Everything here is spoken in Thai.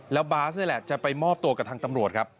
แล้วบาสนี่แหละจะไปมอบตัวกับทางตำรวจครับ